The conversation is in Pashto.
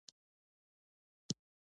لمسی له نیا نه دودونه زده کوي.